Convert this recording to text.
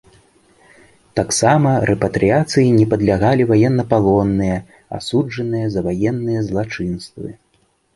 Таксама рэпатрыяцыі не падлягалі ваеннапалонныя, асуджаныя за ваенныя злачынствы.